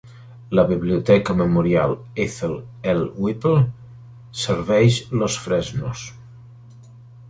La Biblioteca Memorial Ethel L. Whipple serveix Los Fresnos.